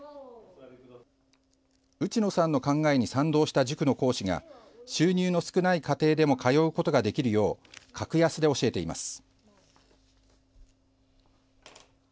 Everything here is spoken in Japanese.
内野さんの考えに賛同した塾の講師が収入の少ない家庭でも通うことができるよう格安で教えています。